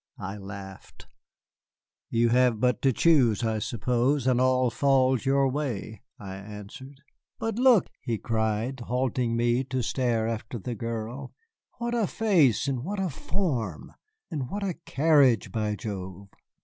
I laughed. "You have but to choose, I suppose, and all falls your way," I answered. "But look!" he cried, halting me to stare after the girl, "what a face, and what a form! And what a carriage, by Jove!